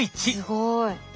すごい。